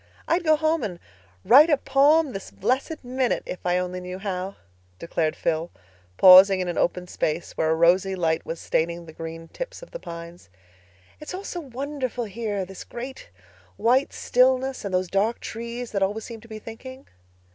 "I'd go home and write a poem this blessed minute if I only knew how," declared Phil, pausing in an open space where a rosy light was staining the green tips of the pines. "It's all so wonderful here—this great, white stillness, and those dark trees that always seem to be thinking."